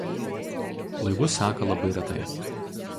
Laivus seka labai retai.